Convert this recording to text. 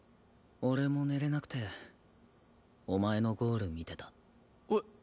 俺も寝れなくてお前のゴール見てた。